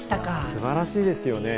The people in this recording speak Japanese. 素晴らしいですよね。